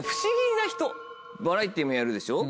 バラエティーもやるでしょ